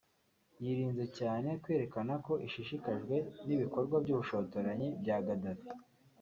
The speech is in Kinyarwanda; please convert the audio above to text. yirinze cyane kwerekana ko ishishikajwe n’ibikorwa by’ubushotoranyi bya Gaddafi